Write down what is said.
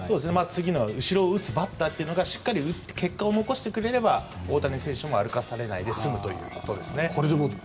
次の後ろを打つバッターがしっかり結果を残してくれれば大谷選手も歩かされないで済むということですね。